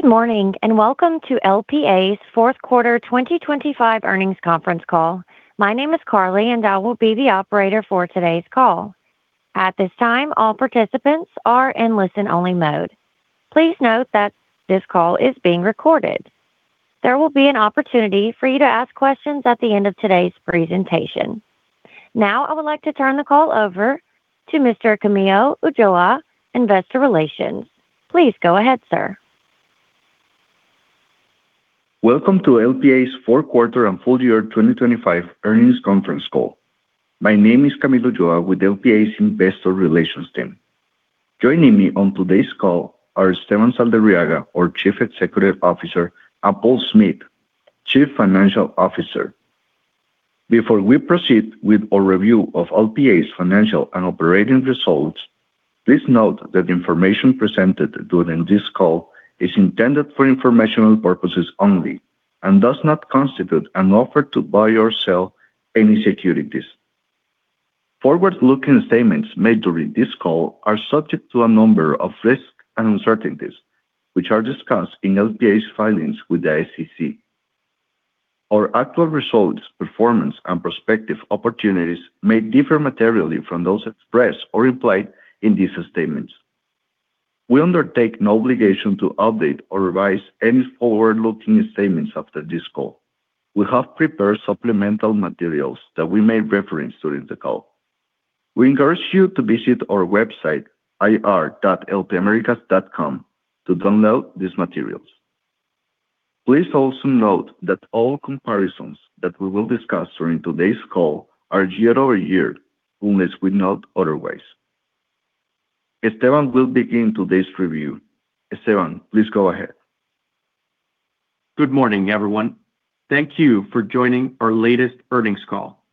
Good morning, and welcome to LPA's fourth quarter 2025 earnings conference call. My name is Carly, and I will be the operator for today's call. At this time, all participants are in listen-only mode. Please note that this call is being recorded. There will be an opportunity for you to ask questions at the end of today's presentation. Now, I would like to turn the call over to Mr. Camilo Ulloa, Investor Relations. Please go ahead, sir. Welcome to LPA's fourth quarter and full year 2025 earnings conference call. My name is Camilo Ulloa with LPA's Investor Relations team. Joining me on today's call are Esteban Saldarriaga, our Chief Executive Officer, and Paul Smith, Chief Financial Officer. Before we proceed with our review of LPA's financial and operating results, please note that information presented during this call is intended for informational purposes only and does not constitute an offer to buy or sell any securities. Forward-looking statements made during this call are subject to a number of risks and uncertainties, which are discussed in LPA's filings with the SEC. Our actual results, performance, and prospective opportunities may differ materially from those expressed or implied in these statements. We undertake no obligation to update or revise any forward-looking statements after this call. We have prepared supplemental materials that we may reference during the call. We encourage you to visit our website, ir.lpamericas.com, to download these materials. Please also note that all comparisons that we will discuss during today's call are year-over-year unless we note otherwise. Esteban will begin today's review. Esteban, please go ahead. Good morning, everyone. Thank you for joining our latest earnings call.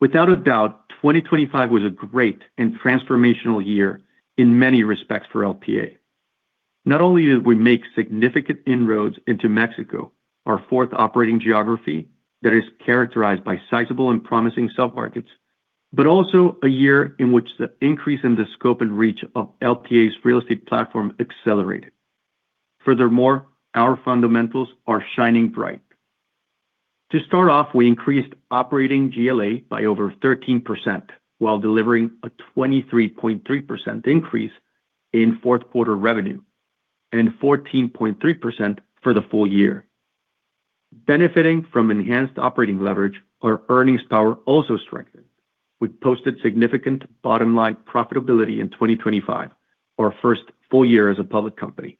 Without a doubt, 2025 was a great and transformational year in many respects for LPA. Not only did we make significant inroads into Mexico, our fourth operating geography that is characterized by sizable and promising submarkets, but also a year in which the increase in the scope and reach of LPA's real estate platform accelerated. Furthermore, our fundamentals are shining bright. To start off, we increased operating GLA by over 13% while delivering a 23.3% increase in fourth quarter revenue and 14.3% for the full year. Benefiting from enhanced operating leverage, our earnings power also strengthened. We posted significant bottom-line profitability in 2025, our first full year as a public company.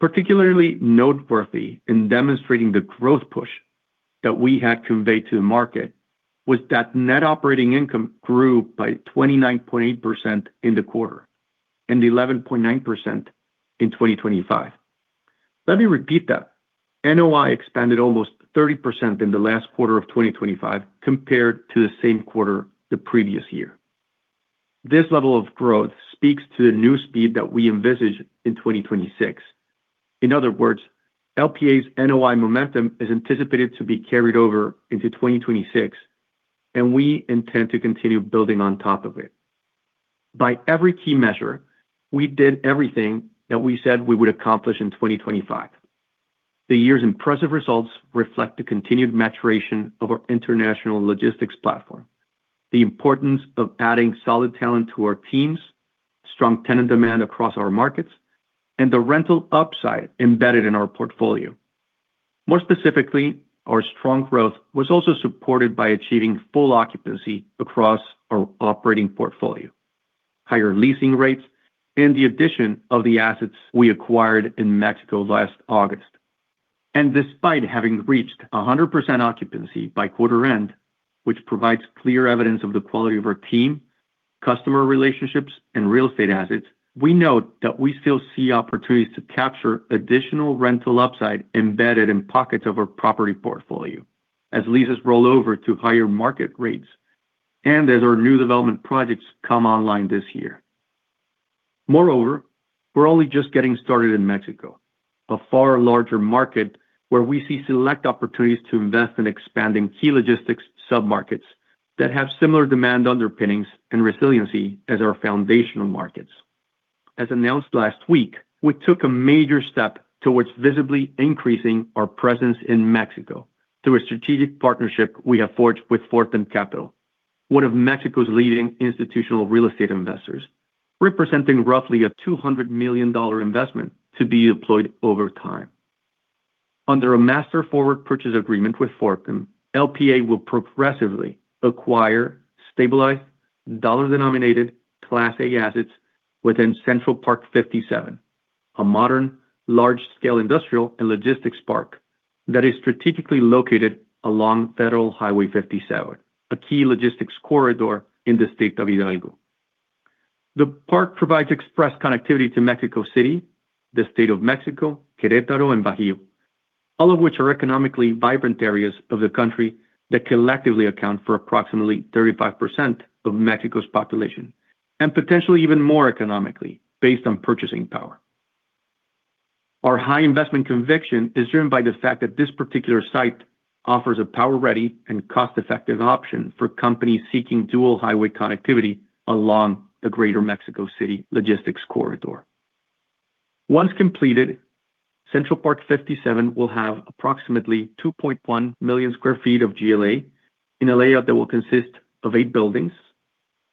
Particularly noteworthy in demonstrating the growth push that we had conveyed to the market was that net operating income grew by 29.8% in the quarter and 11.9% in 2025. Let me repeat that. NOI expanded almost 30% in the last quarter of 2025 compared to the same quarter the previous year. This level of growth speaks to the new speed that we envisage in 2026. In other words, LPA's NOI momentum is anticipated to be carried over into 2026, and we intend to continue building on top of it. By every key measure, we did everything that we said we would accomplish in 2025. The year's impressive results reflect the continued maturation of our international logistics platform, the importance of adding solid talent to our teams, strong tenant demand across our markets, and the rental upside embedded in our portfolio. More specifically, our strong growth was also supported by achieving full occupancy across our operating portfolio, higher leasing rates, and the addition of the assets we acquired in Mexico last August. Despite having reached 100% occupancy by quarter end, which provides clear evidence of the quality of our team, customer relationships, and real estate assets, we note that we still see opportunities to capture additional rental upside embedded in pockets of our property portfolio as leases roll over to higher market rates and as our new development projects come online this year. Moreover, we're only just getting started in Mexico, a far larger market where we see select opportunities to invest in expanding key logistics submarkets that have similar demand underpinnings and resiliency as our foundational markets. As announced last week, we took a major step towards visibly increasing our presence in Mexico through a strategic partnership we have forged with Fortem Capital, one of Mexico's leading institutional real estate investors, representing roughly a $200 million investment to be deployed over time. Under a master forward purchase agreement with Fortem, LPA will progressively acquire stabilized dollar-denominated Class A assets within Central Park 57, a modern large-scale industrial and logistics park that is strategically located along Federal Highway 57, a key logistics corridor in the state of Hidalgo. The park provides express connectivity to Mexico City, the State of Mexico, Querétaro, and Bajío, all of which are economically vibrant areas of the country that collectively account for approximately 35% of Mexico's population, and potentially even more economically based on purchasing power. Our high investment conviction is driven by the fact that this particular site offers a power ready and cost-effective option for companies seeking dual highway connectivity along the greater Mexico City logistics corridor. Once completed, Central Park 57 will have approximately 2.1 million sq ft of GLA in a layout that will consist of eight buildings,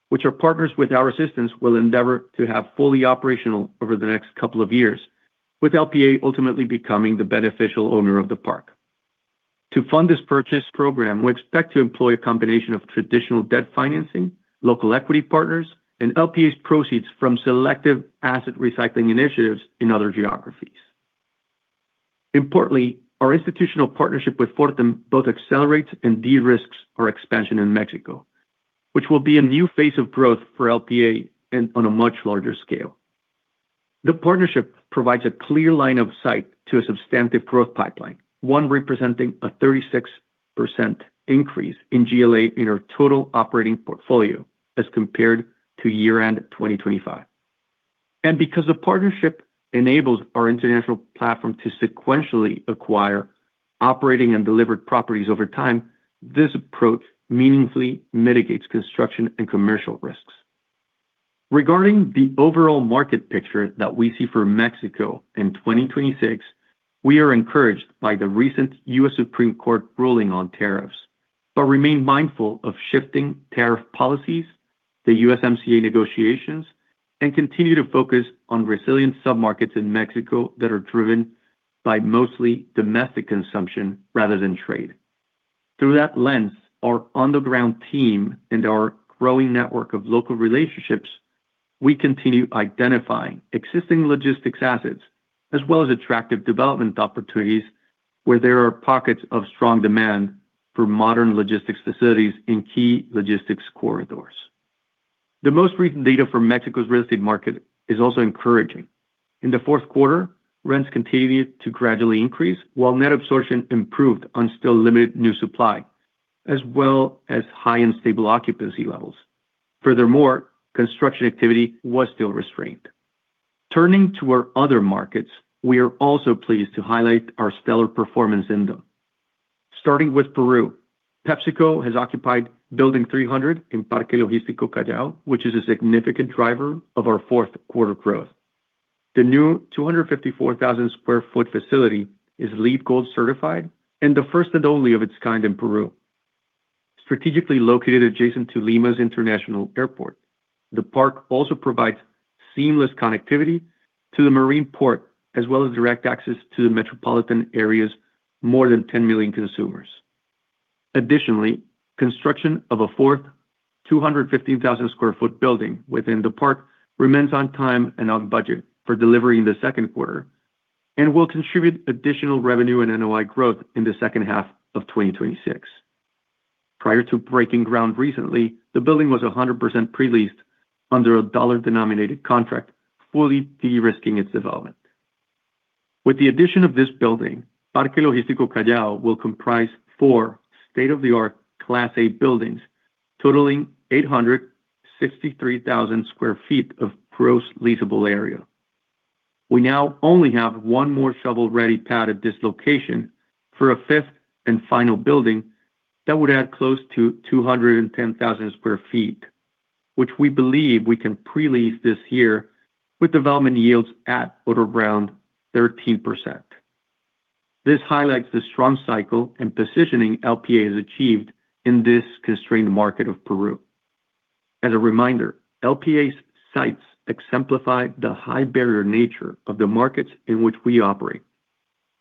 which our partners with our assistance will endeavor to have fully operational over the next couple of years, with LPA ultimately becoming the beneficial owner of the park. To fund this purchase program, we expect to employ a combination of traditional debt financing, local equity partners, and LPA's proceeds from selective asset recycling initiatives in other geographies. Importantly, our institutional partnership with Fortem both accelerates and de-risks our expansion in Mexico, which will be a new phase of growth for LPA and on a much larger scale. The partnership provides a clear line of sight to a substantive growth pipeline, one representing a 36% increase in GLA in our total operating portfolio as compared to year-end 2025. Because the partnership enables our international platform to sequentially acquire operating and delivered properties over time, this approach meaningfully mitigates construction and commercial risks. Regarding the overall market picture that we see for Mexico in 2026, we are encouraged by the recent U.S. Supreme Court ruling on tariffs, but remain mindful of shifting tariff policies, the USMCA negotiations, and continue to focus on resilient submarkets in Mexico that are driven by mostly domestic consumption rather than trade. Through that lens, our on-the-ground team and our growing network of local relationships, we continue identifying existing logistics assets as well as attractive development opportunities where there are pockets of strong demand for modern logistics facilities in key logistics corridors. The most recent data for Mexico's real estate market is also encouraging. In the fourth quarter, rents continued to gradually increase while net absorption improved on still limited new supply, as well as high and stable occupancy levels. Furthermore, construction activity was still restrained. Turning to our other markets, we are also pleased to highlight our stellar performance in them. Starting with Peru, PepsiCo has occupied Building 300 in Parque Logístico Callao, which is a significant driver of our fourth quarter growth. The new 254,000 sq ft facility is LEED Gold certified and the first and only of its kind in Peru. Strategically located adjacent to Lima's International Airport, the park also provides seamless connectivity to the marine port as well as direct access to the metropolitan areas, more than 10 million consumers. Additionally, construction of a fourth 250,000 sq ft building within the park remains on time and on budget for delivery in the second quarter and will contribute additional revenue and NOI growth in the second half of 2026. Prior to breaking ground recently, the building was 100% pre-leased under a dollar-denominated contract, fully de-risking its development. With the addition of this building, Parque Logístico Callao will comprise four state-of-the-art Class A buildings totaling 863,000 sq ft of gross leasable area. We now only have one more shovel-ready pad at this location for a fifth and final building that would add close to 210,000 sq ft, which we believe we can pre-lease this year with development yields at or around 13%. This highlights the strong cycle and positioning LPA has achieved in this constrained market of Peru. As a reminder, LPA's sites exemplify the high barrier nature of the markets in which we operate.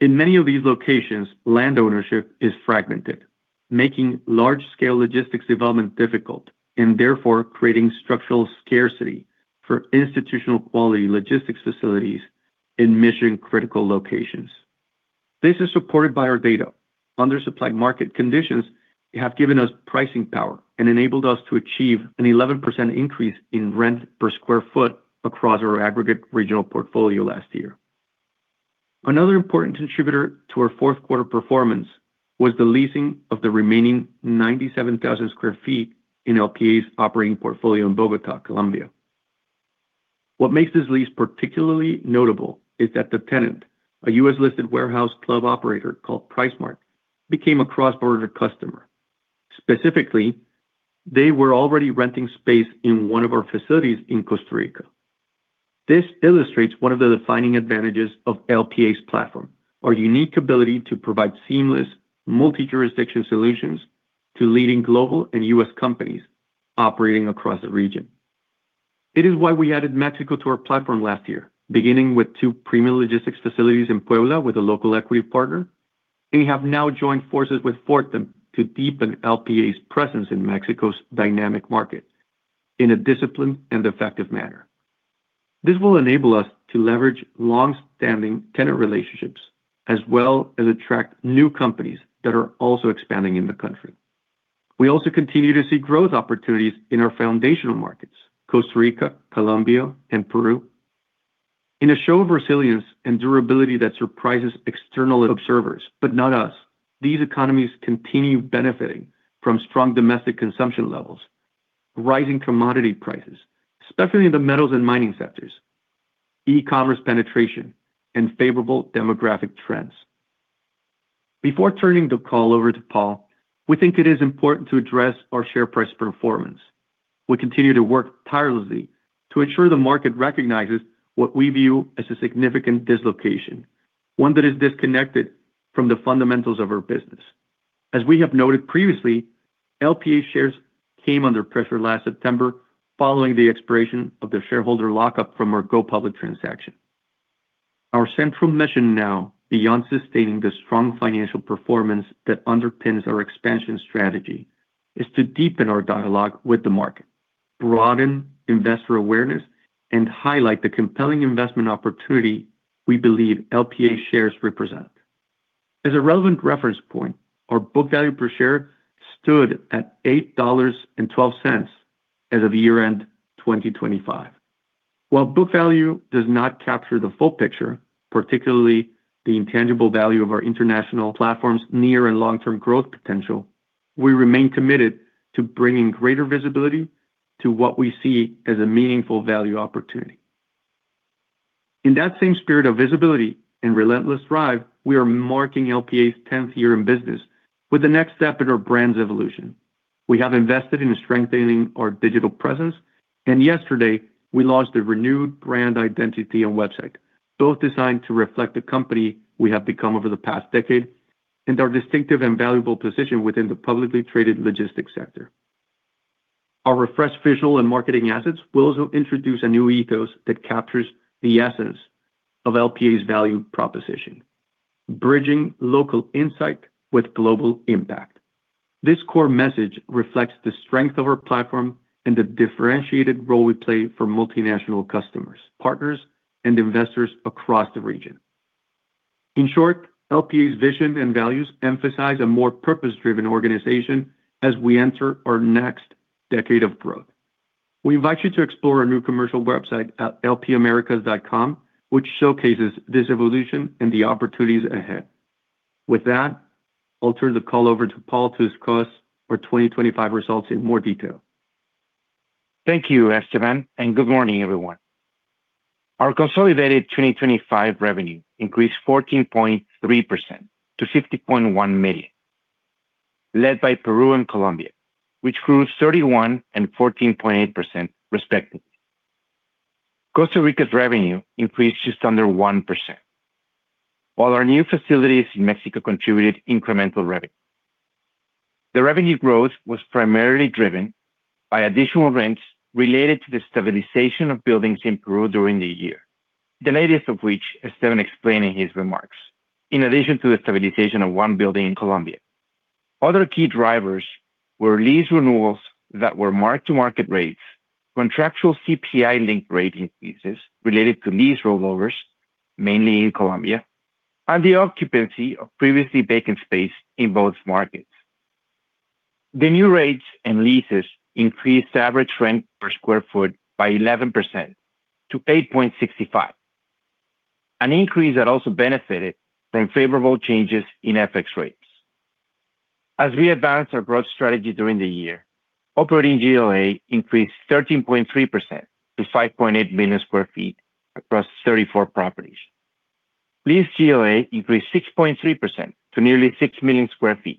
In many of these locations, land ownership is fragmented, making large-scale logistics development difficult and therefore creating structural scarcity for institutional quality logistics facilities in mission-critical locations. This is supported by our data. Undersupplied market conditions have given us pricing power and enabled us to achieve an 11% increase in rent per sq ft across our aggregate regional portfolio last year. Another important contributor to our fourth quarter performance was the leasing of the remaining 97,000 sq ft in LPA's operating portfolio in Bogotá, Colombia. What makes this lease particularly notable is that the tenant, a U.S.-listed warehouse club operator called PriceSmart, became a cross-border customer. Specifically, they were already renting space in one of our facilities in Costa Rica. This illustrates one of the defining advantages of LPA's platform, our unique ability to provide seamless multi-jurisdiction solutions to leading global and U.S. companies operating across the region. It is why we added Mexico to our platform last year, beginning with two premium logistics facilities in Puebla with a local equity partner. We have now joined forces with Fortem to deepen LPA's presence in Mexico's dynamic market in a disciplined and effective manner. This will enable us to leverage long-standing tenant relationships as well as attract new companies that are also expanding in the country. We also continue to see growth opportunities in our foundational markets, Costa Rica, Colombia, and Peru. In a show of resilience and durability that surprises external observers, but not us, these economies continue benefiting from strong domestic consumption levels, rising commodity prices, especially in the metals and mining sectors. E-commerce penetration and favorable demographic trends. Before turning the call over to Paul, we think it is important to address our share price performance. We continue to work tirelessly to ensure the market recognizes what we view as a significant dislocation, one that is disconnected from the fundamentals of our business. As we have noted previously, LPA shares came under pressure last September following the expiration of the shareholder lock-up from our go public transaction. Our central mission now, beyond sustaining the strong financial performance that underpins our expansion strategy, is to deepen our dialogue with the market, broaden investor awareness, and highlight the compelling investment opportunity we believe LPA shares represent. As a relevant reference point, our book value per share stood at $8.12 as of year-end 2025. While book value does not capture the full picture, particularly the intangible value of our international platform's near and long-term growth potential, we remain committed to bringing greater visibility to what we see as a meaningful value opportunity. In that same spirit of visibility and relentless drive, we are marking LPA's tenth year in business with the next step in our brand's evolution. We have invested in strengthening our digital presence, and yesterday, we launched a renewed brand identity and website, both designed to reflect the company we have become over the past decade and our distinctive and valuable position within the publicly traded logistics sector. Our refreshed visual and marketing assets will also introduce a new ethos that captures the essence of LPA's value proposition, bridging local insight with global impact. This core message reflects the strength of our platform and the differentiated role we play for multinational customers, partners, and investors across the region. In short, LPA's vision and values emphasize a more purpose-driven organization as we enter our next decade of growth. We invite you to explore our new commercial website at lpamericas.com, which showcases this evolution and the opportunities ahead. With that, I'll turn the call over to Paul to discuss our 2025 results in more detail. Thank you, Esteban, and good morning, everyone. Our consolidated 2025 revenue increased 14.3% to $50.1 million, led by Peru and Colombia, which grew 31% and 14.8% respectively. Costa Rica's revenue increased just under 1%. While our new facilities in Mexico contributed incremental revenue. The revenue growth was primarily driven by additional rents related to the stabilization of buildings in Peru during the year. The latest of which Esteban explained in his remarks. In addition to the stabilization of one building in Colombia. Other key drivers were lease renewals that were mark-to-market rates, contractual CPI-linked rate increases related to lease rollovers, mainly in Colombia, and the occupancy of previously vacant space in both markets. The new rates and leases increased average rent per sq ft by 11% to $8.65. An increase that also benefited from favorable changes in FX rates. As we advanced our growth strategy during the year, operating GLA increased 13.3% to 5.8 million sq ft across 34 properties. Leased GLA increased 6.3% to nearly 6 million sq ft.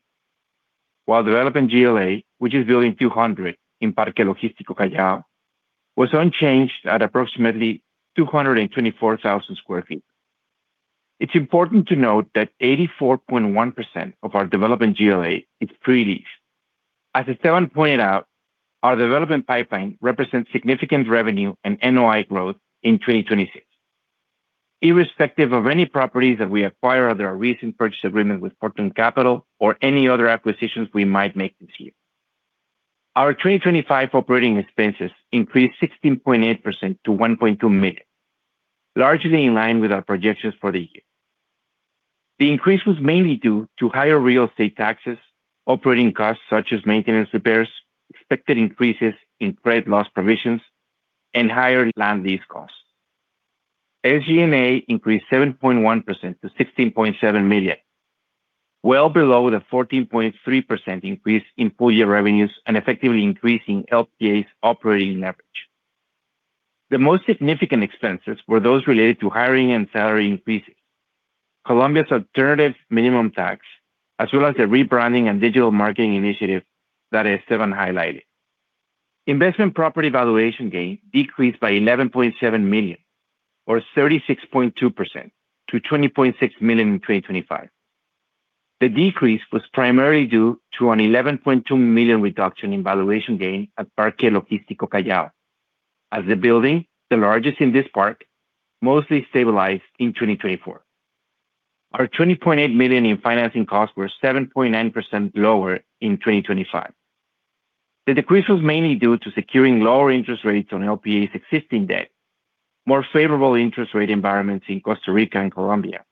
While development GLA, which is Building 200 in Parque Logístico Callao, was unchanged at approximately 224,000 sq ft. It's important to note that 84.1% of our development GLA is pre-leased. As Esteban pointed out, our development pipeline represents significant revenue and NOI growth in 2026. Irrespective of any properties that we acquire under our recent purchase agreement with Fortem Capital or any other acquisitions we might make this year. Our 2025 operating expenses increased 16.8% to $1.2 million, largely in line with our projections for the year. The increase was mainly due to higher real estate taxes, operating costs such as maintenance repairs, expected increases in credit loss provisions, and higher land lease costs. SG&A increased 7.1% to $16.7 million, well below the 14.3% increase in full year revenues and effectively increasing LPA's operating leverage. The most significant expenses were those related to hiring and salary increases, Colombia's alternative minimum tax, as well as the rebranding and digital marketing initiative that Esteban highlighted. Investment property valuation gain decreased by $11.7 million or 36.2% to $20.6 million in 2025. The decrease was primarily due to an $11.2 million reduction in valuation gain at Parque Logístico Callao as the building, the largest in this park, mostly stabilized in 2024. Our $20.8 million in financing costs were 7.9% lower in 2025. The decrease was mainly due to securing lower interest rates on LPA's existing debt, more favorable interest rate environments in Costa Rica and Colombia,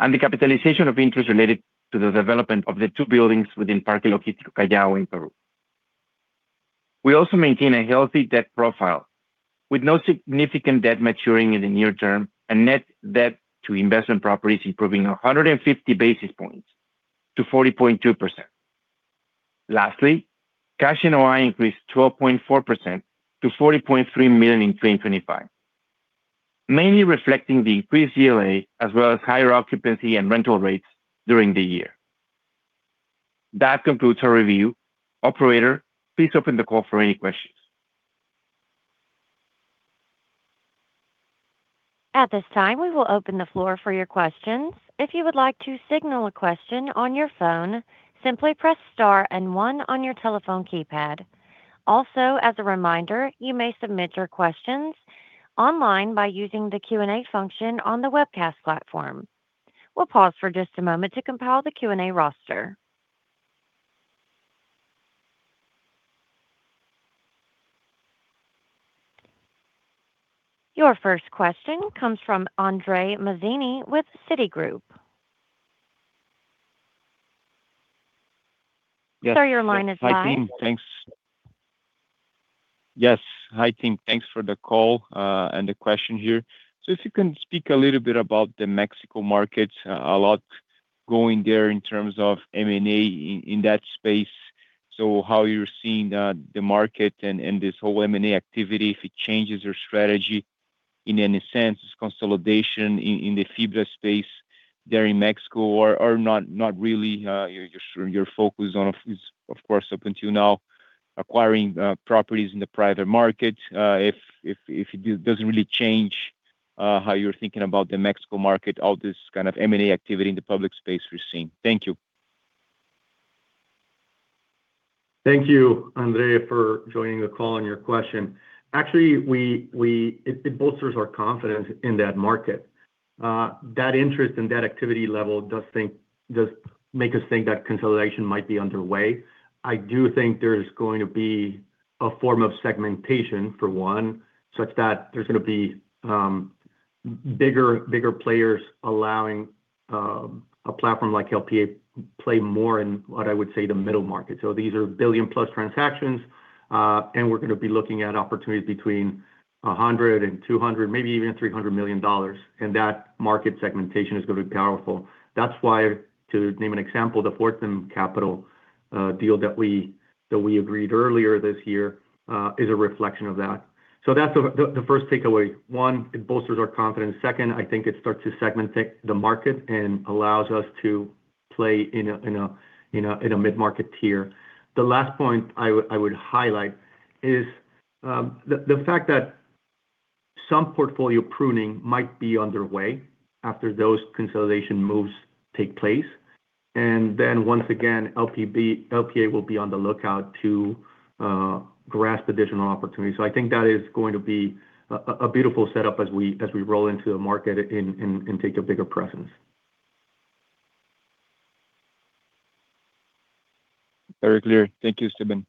and the capitalization of interest related to the development of the two buildings within Parque Logístico Callao in Peru. We also maintain a healthy debt profile, with no significant debt maturing in the near term and net debt to investment properties improving 150 basis points to 40.2%. Lastly, cash NOI increased 12.4% to $40.3 million in 2025, mainly reflecting the increased GLA as well as higher occupancy and rental rates during the year. That concludes our review. Operator, please open the call for any questions. At this time, we will open the floor for your questions. If you would like to signal a question on your phone, simply press star and one on your telephone keypad. Also, as a reminder, you may submit your questions online by using the Q&A function on the webcast platform. We'll pause for just a moment to compile the Q&A roster. Your first question comes from Andre Mazini with Citigroup. Yes. Sir, your line is live. Hi, team. Thanks for the call and the question here. If you can speak a little bit about the Mexico markets. A lot going there in terms of M&A in that space. How you're seeing the market and this whole M&A activity, if it changes your strategy in any sense. Consolidation in the FIBRA space there in Mexico or not really. Your focus has been of course up until now acquiring properties in the private market. If it doesn't really change how you're thinking about the Mexico market, all this kind of M&A activity in the public space we're seeing. Thank you. Thank you, Andre, for joining the call and your question. Actually, it bolsters our confidence in that market. That interest and that activity level does make us think that consolidation might be underway. I do think there is going to be a form of segmentation for one, such that there's gonna be bigger players allowing a platform like LPA play more in what I would say the middle market. These are billion-plus transactions, and we're gonna be looking at opportunities between $100 million and $200 million, maybe even $300 million, and that market segmentation is gonna be powerful. That's why, to name an example, the Fortem Capital deal that we agreed earlier this year is a reflection of that. That's the first takeaway. One, it bolsters our confidence. Second, I think it starts to segment the market and allows us to play in a mid-market tier. The last point I would highlight is the fact that some portfolio pruning might be underway after those consolidation moves take place. Then once again, LPA will be on the lookout to grasp additional opportunities. I think that is going to be a beautiful setup as we roll into the market and take a bigger presence. Very clear. Thank you, Esteban.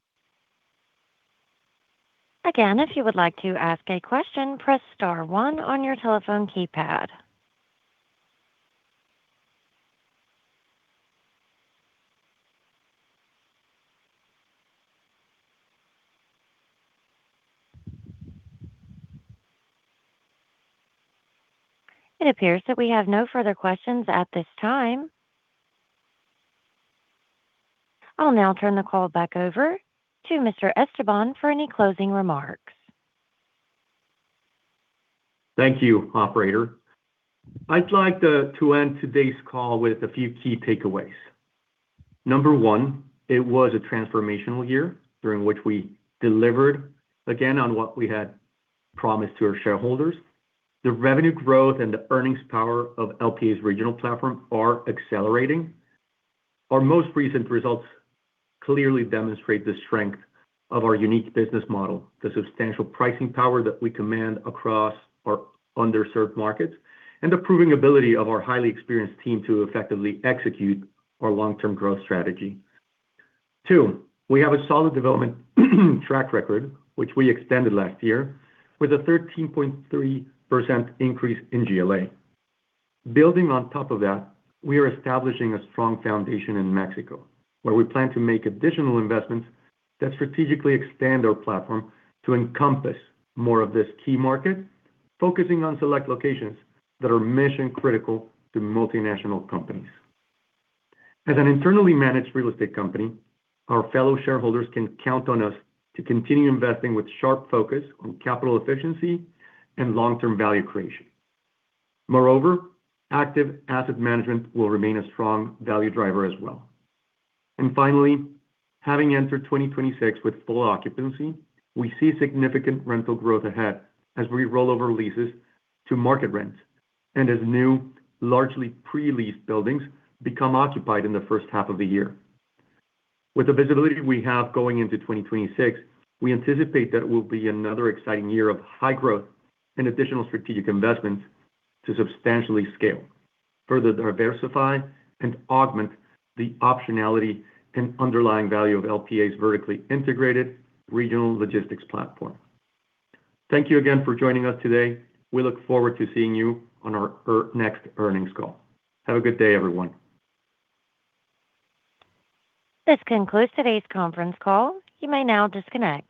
Again, if you would like to ask a question, press star one on your telephone keypad. It appears that we have no further questions at this time. I'll now turn the call back over to Mr. Esteban for any closing remarks. Thank you, operator. I'd like to end today's call with a few key takeaways. Number one, it was a transformational year during which we delivered again on what we had promised to our shareholders. The revenue growth and the earnings power of LPA's regional platform are accelerating. Our most recent results clearly demonstrate the strength of our unique business model, the substantial pricing power that we command across our underserved markets, and the proving ability of our highly experienced team to effectively execute our long-term growth strategy. Two, we have a solid development track record, which we extended last year, with a 13.3% increase in GLA. Building on top of that, we are establishing a strong foundation in Mexico, where we plan to make additional investments that strategically expand our platform to encompass more of this key market, focusing on select locations that are mission critical to multinational companies. As an internally managed real estate company, our fellow shareholders can count on us to continue investing with sharp focus on capital efficiency and long-term value creation. Moreover, active asset management will remain a strong value driver as well. Finally, having entered 2026 with full occupancy, we see significant rental growth ahead as we roll over leases to market rents and as new, largely pre-leased buildings become occupied in the first half of the year. With the visibility we have going into 2026, we anticipate that it will be another exciting year of high growth and additional strategic investments to substantially scale, further diversify, and augment the optionality and underlying value of LPA's vertically integrated regional logistics platform. Thank you again for joining us today. We look forward to seeing you on our next earnings call. Have a good day, everyone. This concludes today's conference call. You may now disconnect.